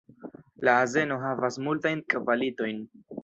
La azeno havas multajn kvalitojn.